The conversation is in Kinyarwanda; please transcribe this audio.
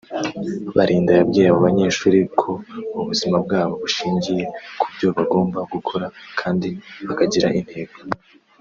Balinda yabwiye abo banyeshuri ko ubuzima bwabo bushingiye ku byo bagomba gukora kandi bakagira intego